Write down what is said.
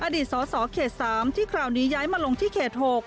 อดีตสสเขต๓ที่คราวนี้ย้ายมาลงที่เขต๖